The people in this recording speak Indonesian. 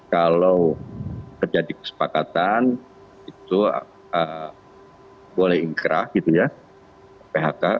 kalau terjadi kesepakatan itu boleh ingkrah gitu ya phk